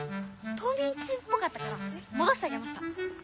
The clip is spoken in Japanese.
冬みん中っぽかったからもどしてあげました。